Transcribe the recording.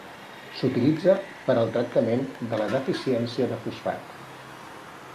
S'utilitza per al tractament de la deficiència de fosfat.